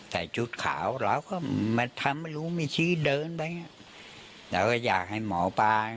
ชุดขาวเราก็มาทำให้รู้ไม่ชี้เดินไปเราก็อยากให้หมอปลา